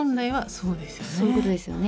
そういうことですよね。